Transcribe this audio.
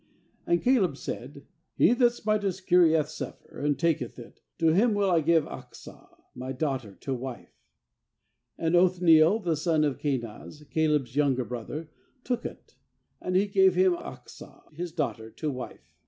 ^And Caleb said: 'He that smiteth Eriath sepher, and taketh it, to him will I give Achsah my daugh ter to wife/ 13And Othniel the son of Kenaz, Caleb's younger brother, took it; and he gave him Achsah his daugh ter to wife.